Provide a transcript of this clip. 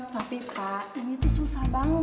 tapi pak ini tuh susah banget